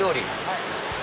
はい。